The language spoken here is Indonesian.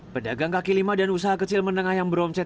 pedagang kaki lima dan usaha kecil menengah yang beromset